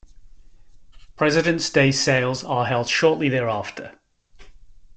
Presidents' Day sales are held shortly thereafter.